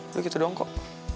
udah gitu doang kok